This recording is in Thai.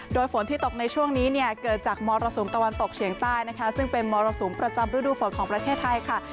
โดยฝนที่ตกในช่วงนี้เนี่ยเกิดจากมรสุมตะวันตกเฉียงใต้นะคะซึ่งเป็นมรสุมประจำฤดูฝนของประเทศไทยค่ะ